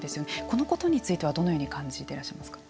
このことについてはどのように感じていらっしゃいますか。